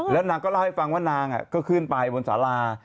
แล้วนางก็เล่าให้ฟังว่านางก็ขึ้นไปบนสารา